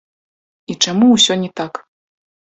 І чаму ўсё не так.